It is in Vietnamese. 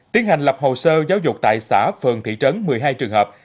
tiến hành lập hồ sơ giáo dục tại xã phường thị trấn một mươi hai trường hợp